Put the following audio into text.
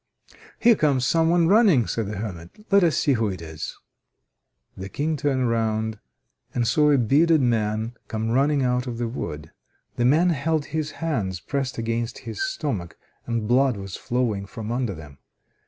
"Here comes some one running," said the hermit, "let us see who it is." The King turned round, and saw a bearded man come running out of the wood. The man held his hands pressed against his stomach, and blood was flowing from under them.